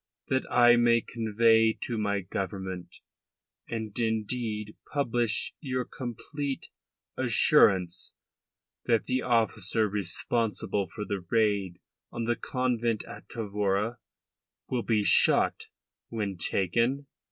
that I may convey to my Government and indeed publish your complete assurance that the officer responsible for the raid on the convent at Tavora will be shot when taken?"